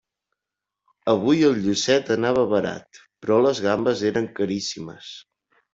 Avui el llucet anava barat, però les gambes eren caríssimes.